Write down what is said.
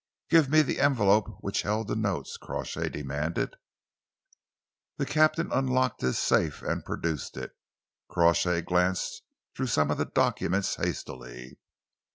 "Give me the envelope which held the notes," Crawshay demanded. The captain unlocked his safe and produced it. Crawshay glanced through some of the documents hastily.